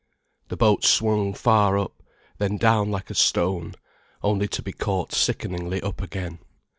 The boat swung far up, then down like a stone, only to be caught sickeningly up again.